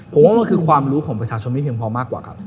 ผมว่ามันคือความรู้ของประชาชนที่เพียงพอมากกว่าครับ